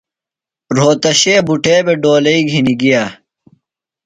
رھوتشے بُٹھے بھےۡ ڈولئی گِھنیۡ گِیہ۔